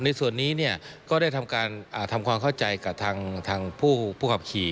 ในส่วนนี้ก็ได้ทำความเข้าใจกับทางผู้ขับขี่